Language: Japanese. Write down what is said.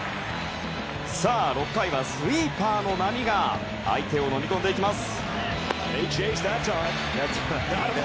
６回は、スイーパーの波が相手をのみ込んでいきます。